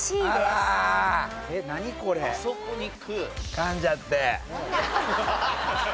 かんじゃって。